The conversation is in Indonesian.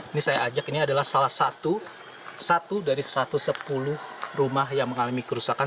ini saya ajak ini adalah salah satu satu dari satu ratus sepuluh rumah yang mengalami kerusakan